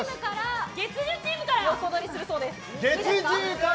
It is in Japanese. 月１０チームから横取りするそうです。